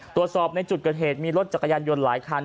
ตรวจสอบในจุดเกิดเหตุมีรถจักรยานยนต์หลายคัน